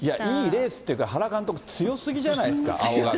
いいレースっていうか、原監督、強すぎじゃないですか。